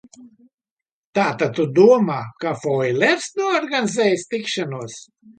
Tātad tu domā, ka Foulers noorganizējis tikšanos?